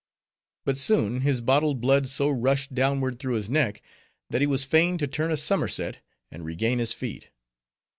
But soon, his bottled blood so rushed downward through his neck, that he was fain to turn a somerset and regain his feet.